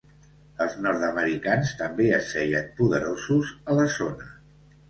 Els nord-americans també es feien poderosos a la zona.